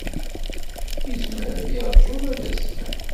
Yezmer ad yeṛju arma d azekka.